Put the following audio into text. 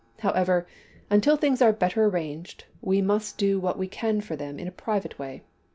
However, until things are better arranged, we must do what we can for them in a private way.